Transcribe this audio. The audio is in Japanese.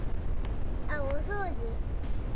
あっおそうじ。